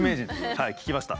はい聞きました。